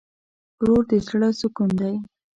ورور د زړه سکون دی.